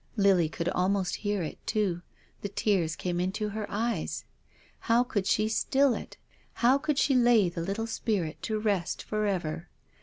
Lily could almost hear it too, the tears came into her eyes. How could she still it ? How could she lay the little spirit to rest forever?